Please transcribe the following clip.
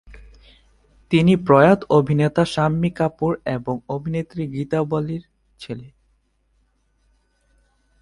তিনি প্রয়াত অভিনেতা শাম্মী কাপুর এবং অভিনেত্রী গীতা বালির ছেলে।